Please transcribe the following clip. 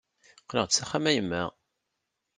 Qqleɣ-d s axxam a yemma!